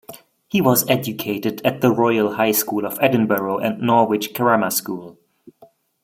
He was educated at the Royal High School of Edinburgh and Norwich Grammar School.